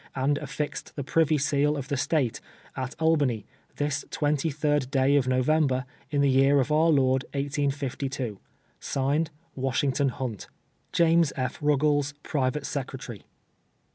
] and atlixed tlie privy seal of the State, at Albany, this 23d day of November, in the year of our Lord 1852. (Signed,) "WASHINGTON HUNT. James F. Rucules, Private Secretary.